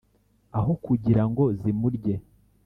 aho kugirango zimurye